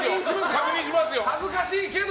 恥ずかしいけど。